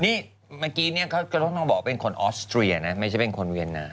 นี่เมื่อกี้เนี่ยเขาก็ต้องบอกว่าเป็นคนออสเตรียนะไม่ใช่เป็นคนเวียดนาม